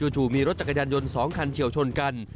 จู่มีรถจักรยานยนต์๒คันเฉียวชนกัน